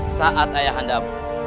saat ayah handam